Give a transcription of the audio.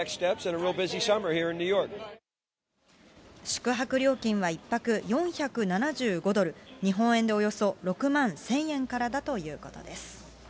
宿泊料金は１泊４７５ドル、日本円でおよそ６万１０００円からだということです。